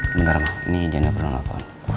bentar ma ini jennifer nanggap nanggap